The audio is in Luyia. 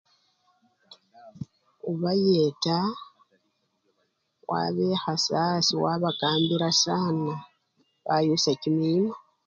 Obayeta wabekhasya asii wabakambila sana bayusya kimima.